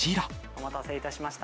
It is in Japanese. お待たせいたしました。